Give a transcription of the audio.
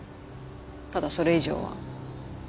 ただそれ以上は。